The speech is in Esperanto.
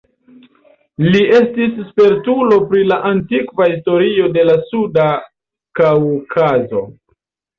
Li estis spertulo pri la antikva historio de la suda Kaŭkazo.